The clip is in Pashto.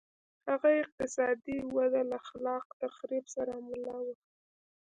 هغه اقتصادي وده له خلاق تخریب سره مله وه.